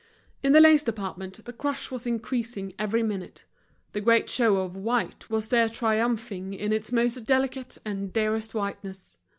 In the lace department the crush was increasing every minute. The great show of white was there triumphing in its most delicate and dearest whiteness.